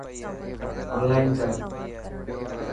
اونلائن ڪر.